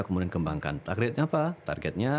kemudian kembangkan targetnya apa targetnya